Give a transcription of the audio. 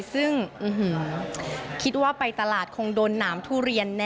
ซึ่งคิดว่าไปตลาดคงโดนหนามทุเรียนแน